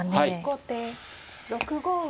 後手６五馬。